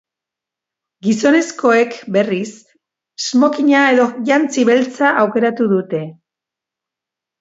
Gizonezkoek, berriz, smokina edo jantzi beltza aukeratu dute.